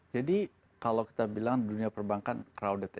jadi kalau kita bilang dunia perbankan crowded ya